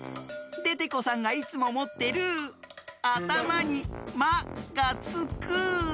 デテコさんがいつももってるあたまに「マ」がつく。